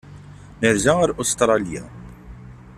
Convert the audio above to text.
Nerza ar Ustṛalya.